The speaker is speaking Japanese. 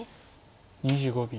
２５秒。